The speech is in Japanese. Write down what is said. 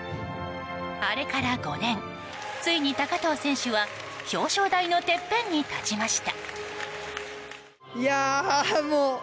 あれから５年、ついに高藤選手は表彰台のてっぺんに立ちました。